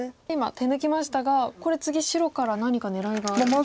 今手抜きましたがこれ次白から何か狙いがある。